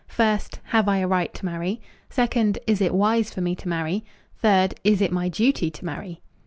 First, "Have I a right to marry?" Second, "Is it wise for me to marry?" Third, "Is it my duty to marry?"